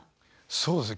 そうですね。